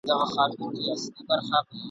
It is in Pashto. هغوی به ډېر ژر خپلي زده کړي بشپړي کړي.